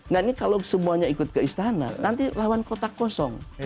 nah ini kalau semuanya ikut ke istana nanti lawan kota kosong